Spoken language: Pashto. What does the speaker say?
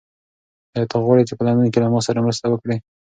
ایا ته غواړې چې په لندن کې له ما سره مرسته وکړې؟